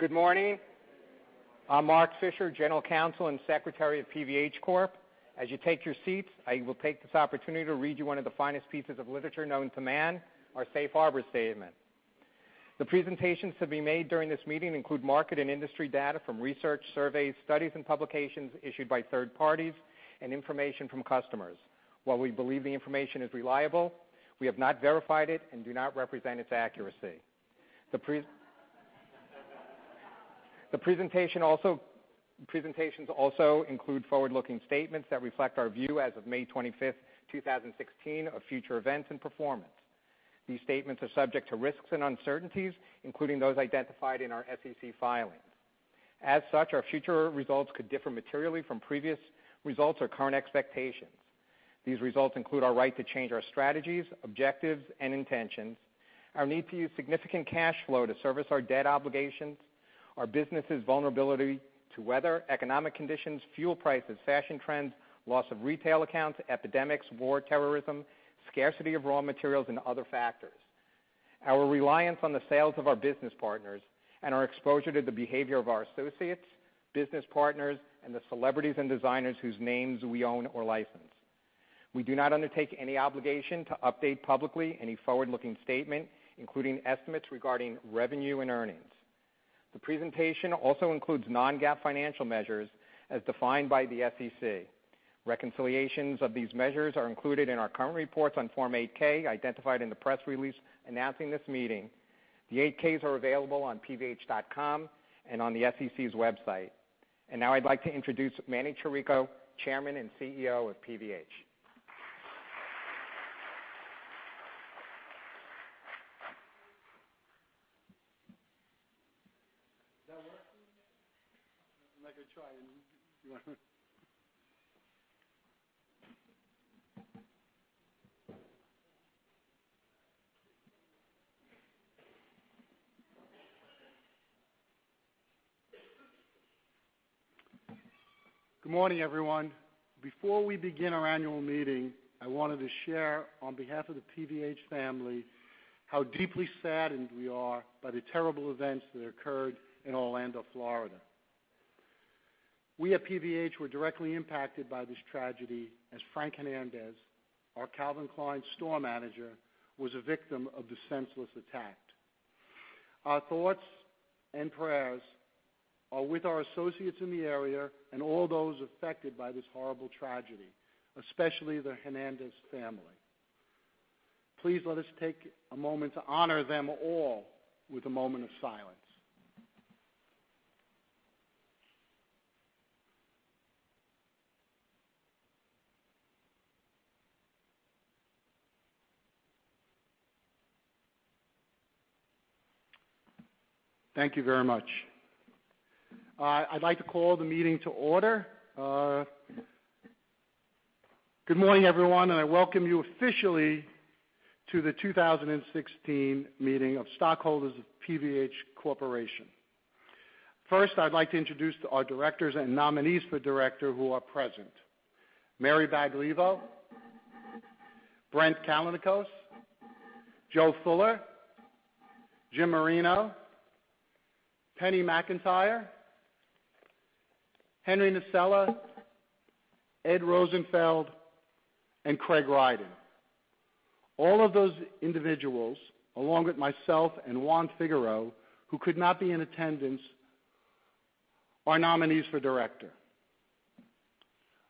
Good morning. I'm Mark Fischer, General Counsel and Secretary of PVH Corp. As you take your seats, I will take this opportunity to read you one of the finest pieces of literature known to man, our safe harbor statement. The presentations to be made during this meeting include market and industry data from research, surveys, studies, and publications issued by third parties and information from customers. While we believe the information is reliable, we have not verified it and do not represent its accuracy. The presentations also include forward-looking statements that reflect our view as of May 25th, 2016, of future events and performance. These statements are subject to risks and uncertainties, including those identified in our SEC filings. As such, our future results could differ materially from previous results or current expectations. These results include our right to change our strategies, objectives, and intentions, our need to use significant cash flow to service our debt obligations, our business' vulnerability to weather, economic conditions, fuel prices, fashion trends, loss of retail accounts, epidemics, war, terrorism, scarcity of raw materials, and other factors, our reliance on the sales of our business partners, and our exposure to the behavior of our associates, business partners, and the celebrities and designers whose names we own or license. We do not undertake any obligation to update publicly any forward-looking statement, including estimates regarding revenue and earnings. The presentation also includes non-GAAP financial measures as defined by the SEC. Reconciliations of these measures are included in our current reports on Form 8-K, identified in the press release announcing this meeting. The 8-Ks are available on pvh.com and on the SEC's website. Now I'd like to introduce Emanuel Chirico, Chairman and CEO of PVH. Does that work? Good morning, everyone. Before we begin our annual meeting, I wanted to share, on behalf of the PVH family, how deeply saddened we are by the terrible events that occurred in Orlando, Florida. We at PVH were directly impacted by this tragedy, as Frank Hernandez, our Calvin Klein store manager, was a victim of the senseless attack. Our thoughts and prayers are with our associates in the area and all those affected by this horrible tragedy, especially the Hernandez family. Please let us take a moment to honor them all with a moment of silence. Thank you very much. I'd like to call the meeting to order. Good morning, everyone. I welcome you officially to the 2016 meeting of stockholders of PVH Corporation. First, I'd like to introduce our directors and nominees for director who are present. Mary Baglivo, Brent Callinicos, Joe Fuller, Jim Marino, Penny McIntyre, Henry Nasella, Ed Rosenfeld, and Craig Rydin. All of those individuals, along with myself and Juan Figuereo, who could not be in attendance, are nominees for director.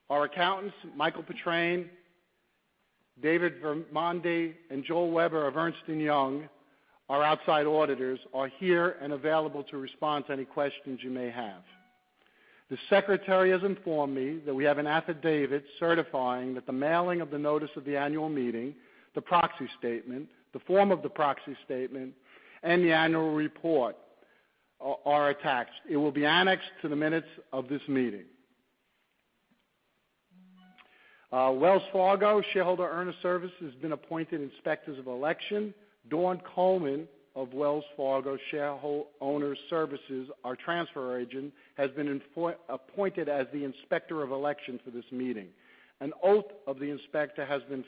Our accountants, Michael Petrine, David Vermondi, and Joel Weber of Ernst & Young, our outside auditors, are here and available to respond to any questions you may have. The secretary has informed me that we have an affidavit certifying that the mailing of the notice of the annual meeting, the proxy statement, the form of the proxy statement, and the annual report are attached. It will be annexed to the minutes of this meeting. Wells Fargo Shareholder Services has been appointed inspectors of election. Dawn Coleman of Wells Fargo Shareowner Services, our transfer agent, has been appointed as the inspector of election for this meeting. An oath of the inspector has been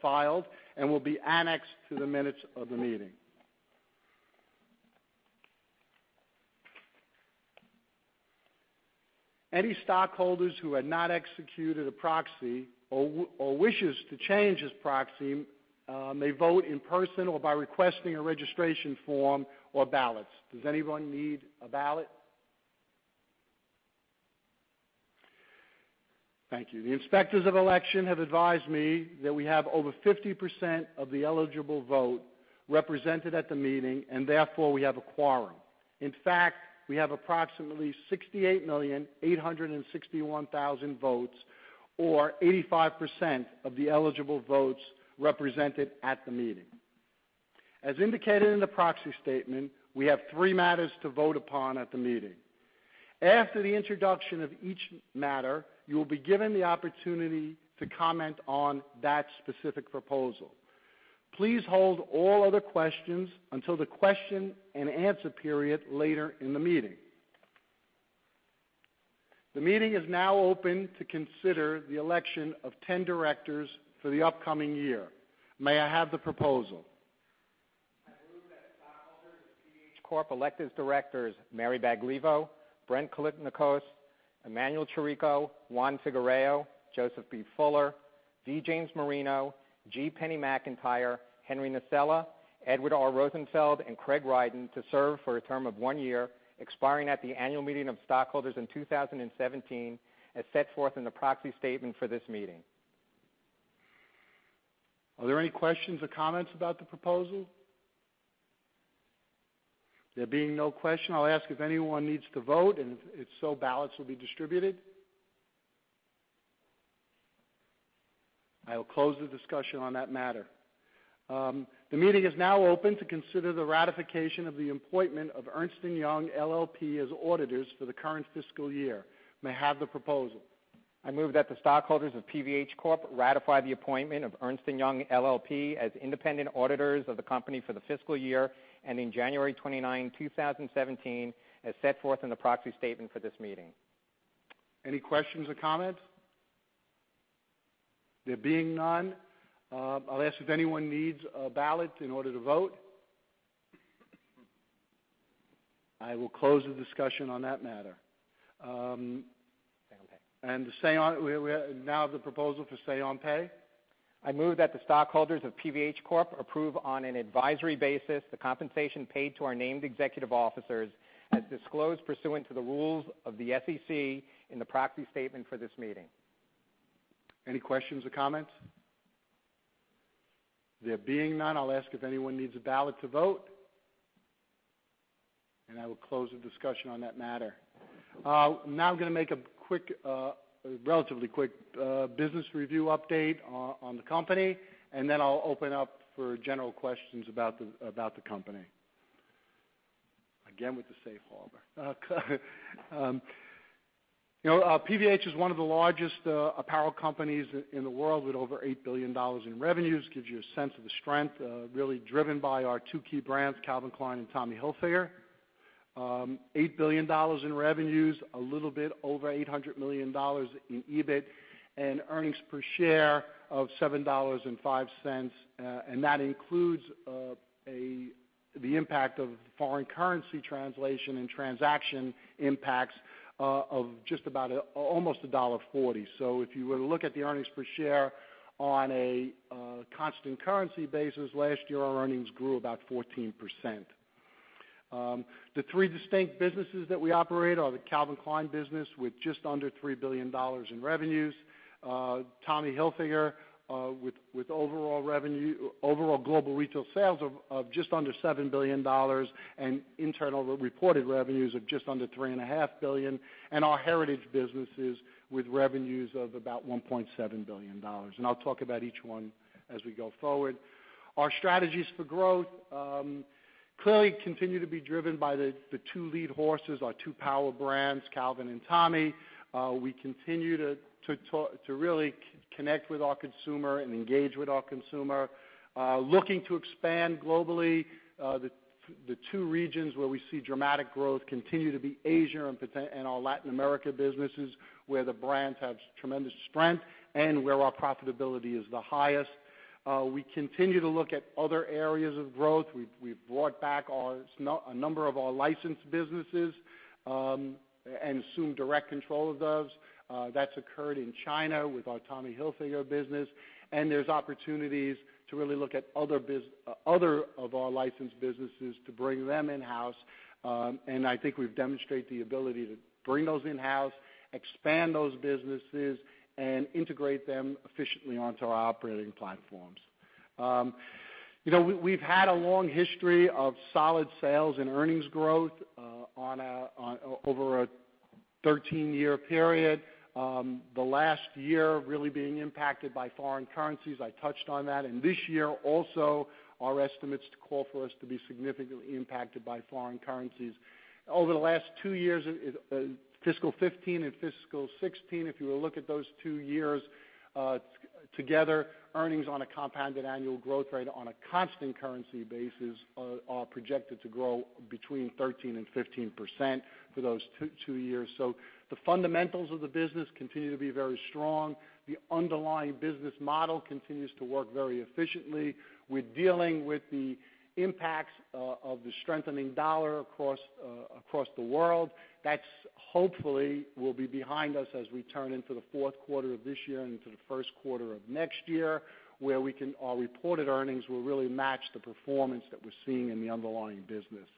filed and will be annexed to the minutes of the meeting. Any stockholders who have not executed a proxy or wishes to change his proxy may vote in person or by requesting a registration form or ballots. Does anyone need a ballot? Thank you. The inspectors of election have advised me that we have over 50% of the eligible vote represented at the meeting, and therefore, we have a quorum. In fact, we have approximately 68,861,000 votes, or 85% of the eligible votes represented at the meeting. As indicated in the proxy statement, we have three matters to vote upon at the meeting. After the introduction of each matter, you will be given the opportunity to comment on that specific proposal. Please hold all other questions until the question-and-answer period later in the meeting. The meeting is now open to consider the election of 10 directors for the upcoming year. May I have the proposal? I move that the stockholders of PVH Corp. elect as directors Mary Baglivo, Brent Callinicos, Emanuel Chirico, Juan Figuereo, Joseph B. Fuller, V. James Marino, G. Penny McIntyre, Henry Nasella, Edward R. Rosenfeld, and Craig Rydin to serve for a term of one year, expiring at the annual meeting of stockholders in 2017, as set forth in the proxy statement for this meeting. Are there any questions or comments about the proposal? There being no question, I'll ask if anyone needs to vote, and if so, ballots will be distributed. I will close the discussion on that matter. The meeting is now open to consider the ratification of the appointment of Ernst & Young LLP as auditors for the current fiscal year. May I have the proposal? I move that the stockholders of PVH Corp ratify the appointment of Ernst & Young LLP as independent auditors of the company for the fiscal year ending January 29, 2017, as set forth in the proxy statement for this meeting. Any questions or comments? There being none, I'll ask if anyone needs a ballot in order to vote. I will close the discussion on that matter. Now the proposal for Say on Pay. I move that the stockholders of PVH Corp approve on an advisory basis the compensation paid to our named executive officers as disclosed pursuant to the rules of the SEC in the proxy statement for this meeting. Any questions or comments? There being none, I'll ask if anyone needs a ballot to vote. I will close the discussion on that matter. I'm going to make a relatively quick business review update on the company, and then I'll open up for general questions about the company. Again, with the safe harbor. PVH is one of the largest apparel companies in the world with over $8 billion in revenues. Gives you a sense of the strength, really driven by our two key brands, Calvin Klein and Tommy Hilfiger. $8 billion in revenues, a little bit over $800 million in EBIT, and earnings per share of $7.05, and that includes the impact of foreign currency translation and transaction impacts of just about almost $1.40. If you were to look at the earnings per share on a constant currency basis, last year, our earnings grew about 14%. The three distinct businesses that we operate are the Calvin Klein business with just under $3 billion in revenues, Tommy Hilfiger with overall global retail sales of just under $7 billion, and internal reported revenues of just under $3.5 billion, and our heritage businesses with revenues of about $1.7 billion. I'll talk about each one as we go forward. Our strategies for growth clearly continue to be driven by the two lead horses, our two power brands, Calvin and Tommy. We continue to really connect with our consumer and engage with our consumer. Looking to expand globally. The two regions where we see dramatic growth continue to be Asia and our Latin America businesses, where the brands have tremendous strength and where our profitability is the highest. We continue to look at other areas of growth. We've brought back a number of our licensed businesses and assumed direct control of those. That's occurred in China with our Tommy Hilfiger business, and there's opportunities to really look at other of our licensed businesses to bring them in-house. I think we've demonstrated the ability to bring those in-house, expand those businesses, and integrate them efficiently onto our operating platforms. We've had a long history of solid sales and earnings growth over a 13-year period. The last year really being impacted by foreign currencies. I touched on that. This year also, our estimates call for us to be significantly impacted by foreign currencies. Over the last two years, fiscal 2015 and fiscal 2016, if you were to look at those two years together, earnings on a compounded annual growth rate on a constant currency basis are projected to grow between 13% and 15% for those two years. The fundamentals of the business continue to be very strong. The underlying business model continues to work very efficiently. We're dealing with the impacts of the strengthening dollar across the world. That hopefully will be behind us as we turn into the fourth quarter of this year and into the first quarter of next year, where our reported earnings will really match the performance that we're seeing in the underlying business.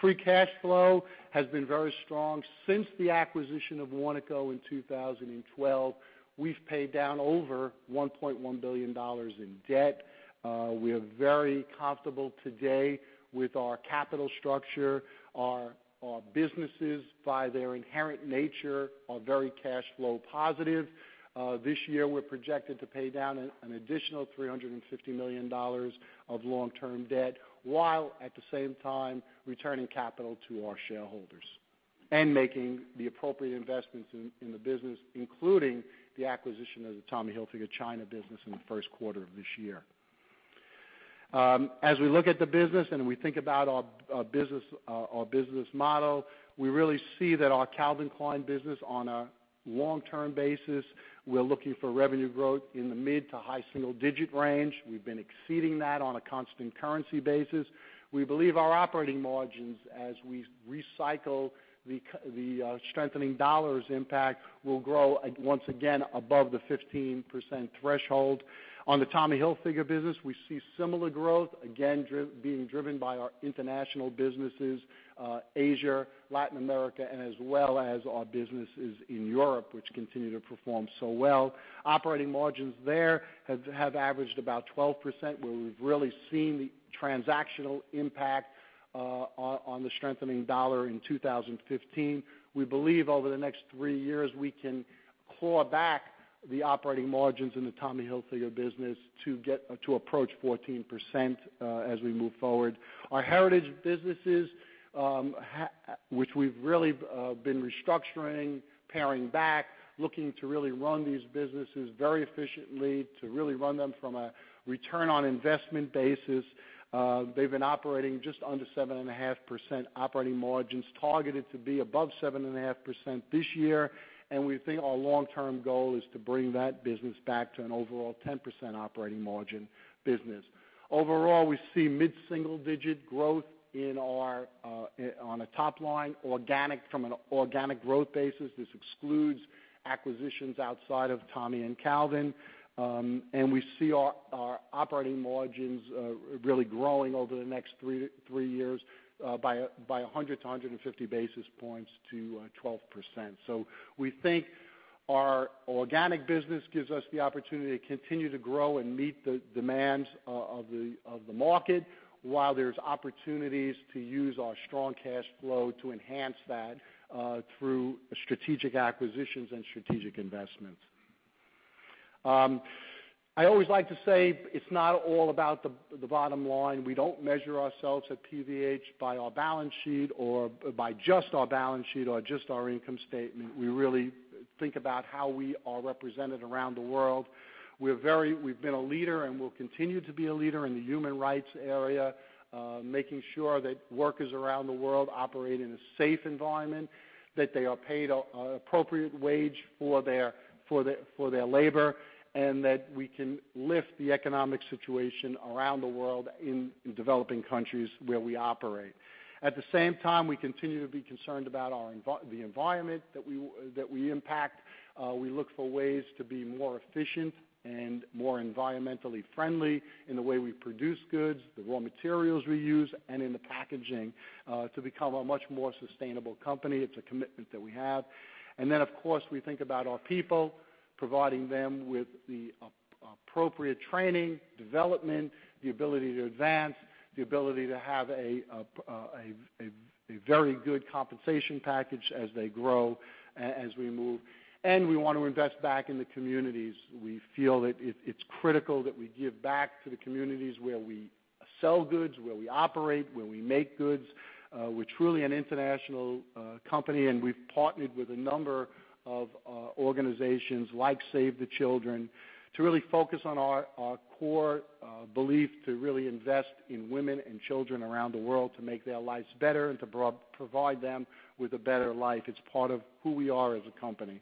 Free cash flow has been very strong since the acquisition of Warnaco in 2012. We've paid down over $1.1 billion in debt. We are very comfortable today with our capital structure. Our businesses, by their inherent nature, are very cash flow positive. This year, we're projected to pay down an additional $350 million of long-term debt, while at the same time, returning capital to our shareholders and making the appropriate investments in the business, including the acquisition of the Tommy Hilfiger China business in the first quarter of this year. As we look at the business and we think about our business model, we really see that our Calvin Klein business, on a long-term basis, we're looking for revenue growth in the mid to high single-digit range. We've been exceeding that on a constant currency basis. We believe our operating margins, as we recycle the strengthening dollar's impact, will grow once again above the 15% threshold. On the Tommy Hilfiger business, we see similar growth, again, being driven by our international businesses, Asia, Latin America, and as well as our businesses in Europe, which continue to perform so well. Operating margins there have averaged about 12%, where we've really seen the transactional impact on the strengthening dollar in 2015. We believe over the next three years, we can claw back the operating margins in the Tommy Hilfiger business to approach 14% as we move forward. Our heritage businesses, which we've really been restructuring, paring back, looking to really run these businesses very efficiently, to really run them from a return on investment basis. They've been operating just under 7.5% operating margins, targeted to be above 7.5% this year. We think our long-term goal is to bring that business back to an overall 10% operating margin business. Overall, we see mid-single digit growth on a top line, from an organic growth basis. This excludes acquisitions outside of Tommy and Calvin. We see our operating margins really growing over the next three years by 100 to 150 basis points to 12%. We think our organic business gives us the opportunity to continue to grow and meet the demands of the market while there's opportunities to use our strong cash flow to enhance that through strategic acquisitions and strategic investments. I always like to say, it's not all about the bottom line. We don't measure ourselves at PVH by our balance sheet, or by just our balance sheet or just our income statement. We really think about how we are represented around the world. We've been a leader and will continue to be a leader in the human rights area, making sure that workers around the world operate in a safe environment, that they are paid an appropriate wage for their labor, and that we can lift the economic situation around the world in developing countries where we operate. At the same time, we continue to be concerned about the environment that we impact. We look for ways to be more efficient and more environmentally friendly in the way we produce goods, the raw materials we use, and in the packaging, to become a much more sustainable company. It's a commitment that we have. Of course, we think about our people, providing them with the appropriate training, development, the ability to advance, the ability to have a very good compensation package as they grow, as we move. We want to invest back in the communities. We feel that it's critical that we give back to the communities where we sell goods, where we operate, where we make goods. We're truly an international company, and we've partnered with a number of organizations like Save the Children to really focus on our core belief to really invest in women and children around the world to make their lives better and to provide them with a better life. It's part of who we are as a company.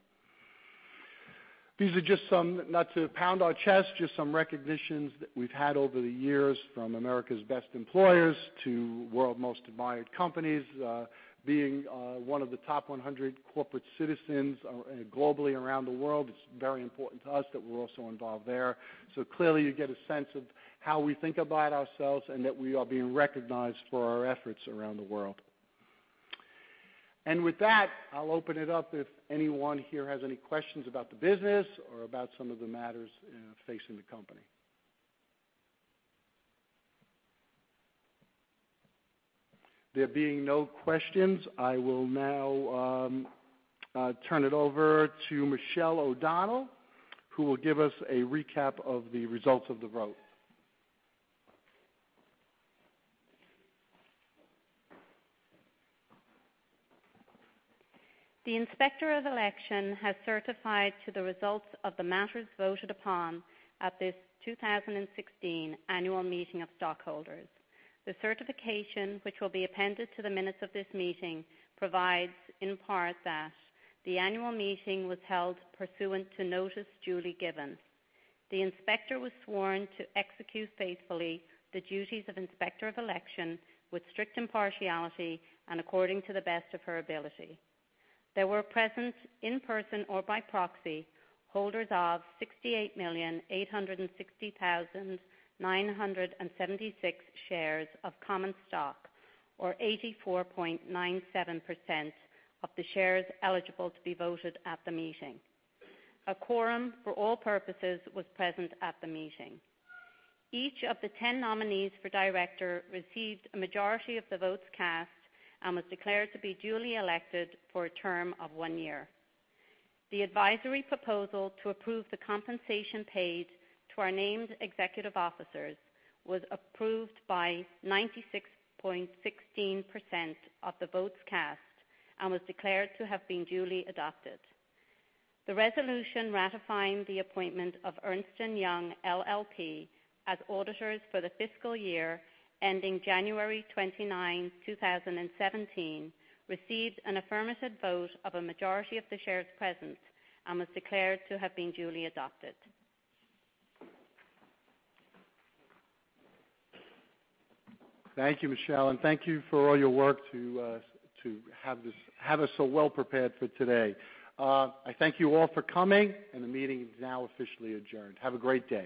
These are just some, not to pound our chest, just some recognitions that we've had over the years from America's Best Employers to World's Most Admired Companies, being one of the top 100 corporate citizens globally around the world. It's very important to us that we're also involved there. Clearly, you get a sense of how we think about ourselves and that we are being recognized for our efforts around the world. With that, I'll open it up if anyone here has any questions about the business or about some of the matters facing the company. There being no questions, I will now turn it over to Michelle O'Donnell, who will give us a recap of the results of the vote. The Inspector of Election has certified to the results of the matters voted upon at this 2016 annual meeting of stockholders. The certification, which will be appended to the minutes of this meeting, provides in part that the annual meeting was held pursuant to notice duly given. The inspector was sworn to execute faithfully the duties of Inspector of Election with strict impartiality and according to the best of her ability. There were present in person or by proxy, holders of 68,860,976 shares of common stock, or 84.97% of the shares eligible to be voted at the meeting. A quorum for all purposes was present at the meeting. Each of the 10 nominees for director received a majority of the votes cast and was declared to be duly elected for a term of one year. The advisory proposal to approve the compensation paid to our named executive officers was approved by 96.16% of the votes cast and was declared to have been duly adopted. The resolution ratifying the appointment of Ernst & Young LLP as auditors for the fiscal year ending January 29, 2017, received an affirmative vote of a majority of the shares present and was declared to have been duly adopted. Thank you, Michelle, and thank you for all your work to have us so well prepared for today. I thank you all for coming, and the meeting is now officially adjourned. Have a great day